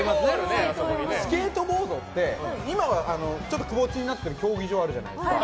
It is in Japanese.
スケートボードって今は、窪地になってる競技場あるじゃないですか。